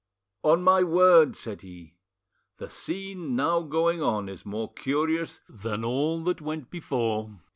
"On my word," said he, "the scene now going on is more curious than all that went before.